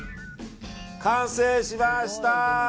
完成しました！